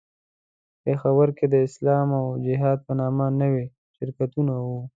په پېښور کې د اسلام او جهاد په نامه نوي شرکتونه وو.